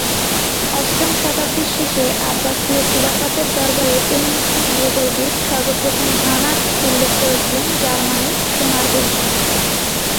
অষ্টম শতাব্দীর শেষে, আব্বাসিয় খিলাফতের দরবারে এই মুসলিম ভূগোলবিদ সর্বপ্রথম ঘানার উল্লেখ করেছিলেন, যার মানে "সোনার দেশ"।